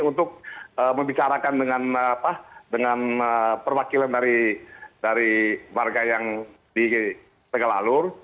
untuk membicarakan dengan perwakilan dari warga yang di tegalalur